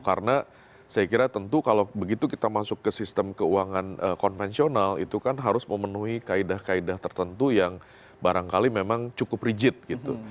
karena saya kira tentu kalau begitu kita masuk ke sistem keuangan konvensional itu kan harus memenuhi kaedah kaedah tertentu yang barangkali memang cukup rigid gitu